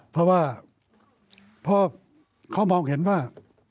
เพราะว่าพอเขามองเห็นว่า